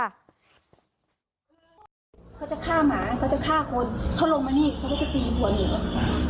เขาจะฆ่าหมาเขาจะฆ่าคนเขาลงมานี่เขาก็จะตีหัวหนู